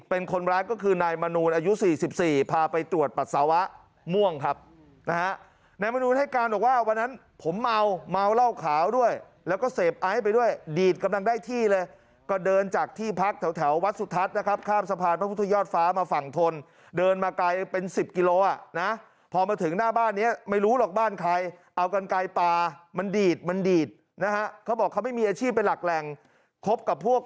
เป็นคนร้ายก็คือนายมณูนอายุ๔๔พาไปตรวจปรัสสาวะม่วงครับนะฮะนายมณูนให้การออกว่าวันนั้นผมเมาเมาเหล้าขาวด้วยแล้วก็เสพอ๊ยไปด้วยดีดกำลังได้ที่เลยก็เดินจากที่พักแถววัดสุทัศน์นะครับข้ามสะพานพระพุทธยอดฟ้ามาฝั่งถนเดินมาไกลเป็น๑๐กิโลนะพอมาถึงหน้าบ้านเนี่ยไม่รู้หรอกบ้านใครเอากลางก